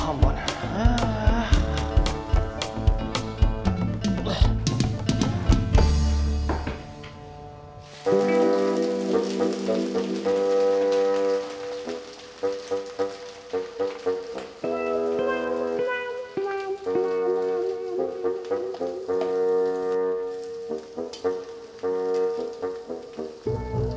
yang ber mohon gak mau